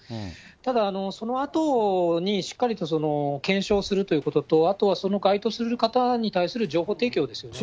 ただ、そのあとにしっかりと検証するということと、あとは該当される方に対する情報提供ですよね。